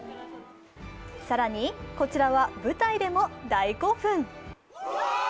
更に、こちらは舞台でも大興奮。